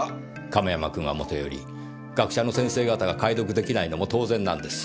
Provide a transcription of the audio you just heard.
亀山くんはもとより学者の先生方が解読出来ないのも当然なんです。